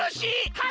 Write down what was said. はい！